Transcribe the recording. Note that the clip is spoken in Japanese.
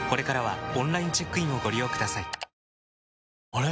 あれ？